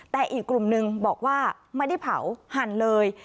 แต่อีกกลุ่มนึงบอกว่าไม่ได้เผาหั่นเลย